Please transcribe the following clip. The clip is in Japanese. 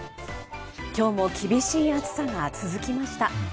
今日も厳しい暑さが続きました。